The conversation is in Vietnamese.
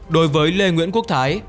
đối với lê nguyễn quốc thái